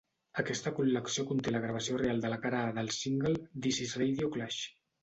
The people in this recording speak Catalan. Aquesta col·lecció conté la gravació real de la cara A del single "This Is Radio Clash".